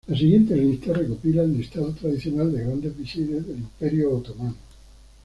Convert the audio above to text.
La siguiente lista recopila el listado tradicional de grandes visires del Imperio otomano.